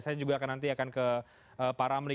saya juga akan nanti akan ke pak ramli